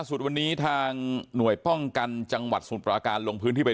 สุดวันนี้ทางหน่วยป้องกันจังหวัดสมุทรปราการลงพื้นที่ไป